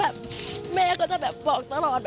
แล้วแม่ก็จะบอกตลอด